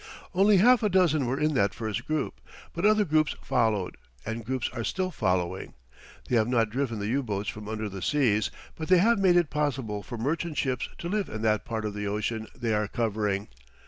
Only half a dozen were in that first group, but other groups followed, and groups are still following. They have not driven the U boats from under the seas, but they have made it possible for merchant ships to live in that part of the ocean they are covering.